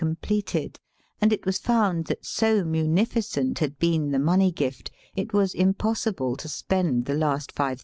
175 completed, and it was found that, so muni ficent had been the money gift, it was impos sible to spend the last ^6000.